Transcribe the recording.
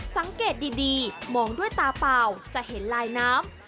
สังเกตดีมองด้วยตาเปล่าจะเห็นลายน้ำ